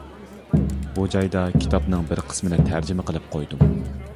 بۇ جايدا كىتابنىڭ بىر قىسمىنى تەرجىمە قىلىپ قويدۇم.